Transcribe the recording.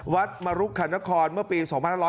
วัดมรุกคัณฐคอนเมื่อปี๒๑๓๙